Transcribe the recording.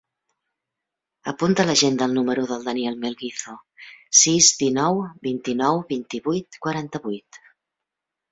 Apunta a l'agenda el número del Daniel Melguizo: sis, dinou, vint-i-nou, vint-i-vuit, quaranta-vuit.